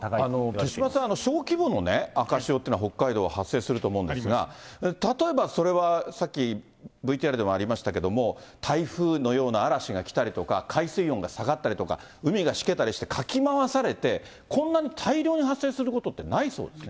手嶋さん、小規模のね、赤潮というのは、北海道、発生すると思うんですけれども、例えばそれはさっき、ＶＴＲでもありましたけども、台風のような嵐が来たりとか、海水温が下がったりとか、海がしけたりしてかき回されて、こんなに大量に発生することってないそうですね。